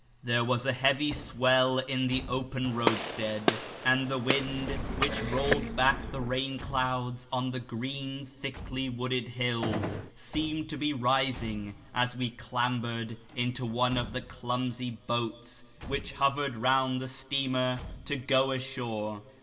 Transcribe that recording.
There was a heavy swell in the open roadstead, and the wind, which rolled back the rain clouds on the green, thickly wooded hills, seemed to be rising, as we clambered into one of the clumsy boats which hovered round the steamer to go ashore.